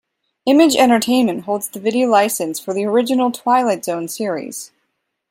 Image Entertainment holds the video license for the original "Twilight Zone" series.